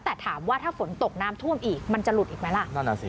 แต่ถามว่าถ้าฝนตกน้ำท่วมอีกมันจะหลุดอีกไหมล่ะนั่นแหละสิ